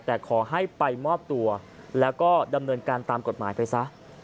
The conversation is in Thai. แต่ขอให้ไปมอบตัวแล้วก็ดำเนินการตามกฎหมายไปซะ